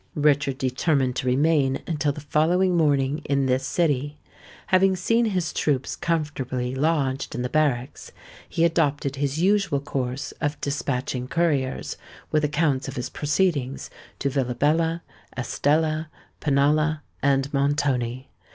Richard determined to remain until the following morning in this city. Having seen his troops comfortably lodged in the barracks, he adopted his usual course of despatching couriers, with accounts of his proceedings, to Villabella, Estella, Pinalla, and Montoni.